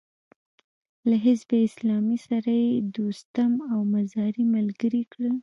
له حزب اسلامي سره يې دوستم او مزاري ملګري کړل.